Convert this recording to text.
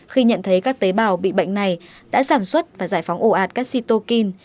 khi nhận thấy các tế bào bị bệnh này đã sản xuất và giải phóng ổ ạt các cytokine